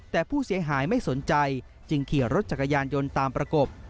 แต่ผู้เสียหายไม่สนใจจึงขี่รถจักรยานยนต์ตามประกบ